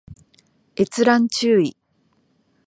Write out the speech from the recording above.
閲覧注意